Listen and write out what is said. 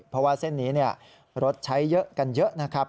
เพราะว่าเส้นนี้รถใช้เยอะกันเยอะนะครับ